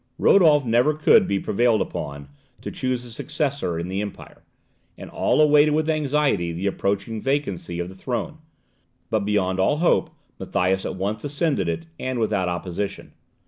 Rodolph never could be prevailed upon to choose a successor in the empire, and all awaited with anxiety the approaching vacancy of the throne; but, beyond all hope, Matthias at once ascended it, and without opposition.